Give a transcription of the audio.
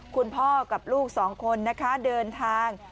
คุณพ่อกับลูกสองคนนะคะเดินทาง